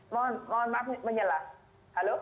mohon maaf menyelamatkan halo